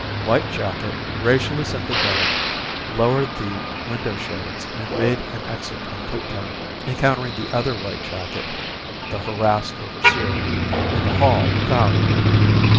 White jacket, racially sympathetic, lowered the window shades and made an exit on tiptoe, encountering the other white jacket the harassed overseer in the hall without.